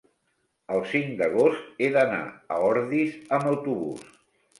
el cinc d'agost he d'anar a Ordis amb autobús.